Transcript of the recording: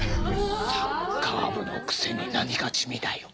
サッカー部のくせに何が地味だよ。